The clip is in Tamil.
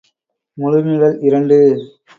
முழு நிழல் இரண்டு.